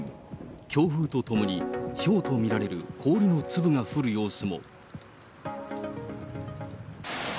強風とともに、ひょうと見られる氷の粒が降る様子も。